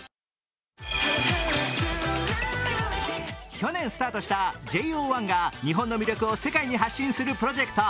去年スタートしたＪＯ１が日本の魅力を世界に発信するプロジェクト。